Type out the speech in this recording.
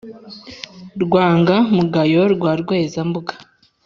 rwanga-mugayo rwa rweza-mbuga,